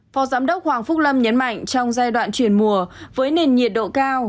phó giám đốc hoàng phúc lâm nhấn mạnh trong giai đoạn chuyển mùa với nền nhiệt độ cao